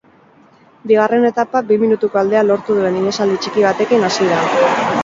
Bigarren etapa, bi minutuko aldea lortu duen ihesaldi txiki batekin hasi da.